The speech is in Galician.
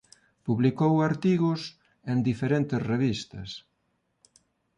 Publicou artigos en diferentes revistas.